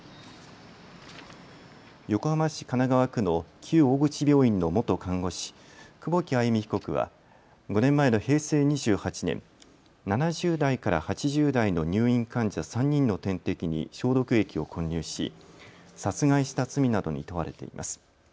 横浜市神奈川区の旧大口病院の元看護師、久保木愛弓被告は５年前の平成２８年、７０代から８０代の入院患者３人の点滴に消毒液を混入し殺害した罪などに問われています。